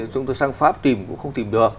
chúng tôi sang pháp tìm cũng không tìm được